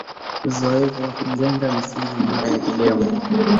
uzoefu wa kujenga misingi imara ya kidemo